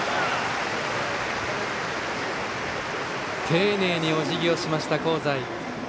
丁寧におじぎをしました香西。